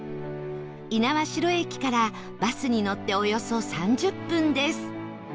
猪苗代駅からバスに乗っておよそ３０分です